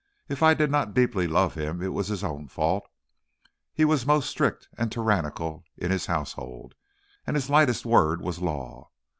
If I did not deeply love him it was his own fault. He was most strict and tyrannical in his household, and his lightest word was law.